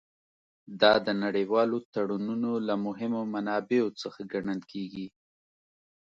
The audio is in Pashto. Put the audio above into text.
دا د نړیوالو تړونونو له مهمو منابعو څخه ګڼل کیږي